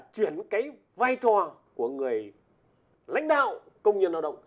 chuyển cái vai trò của người lãnh đạo công nhân lao động